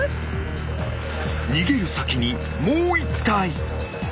［逃げる先にもう１体］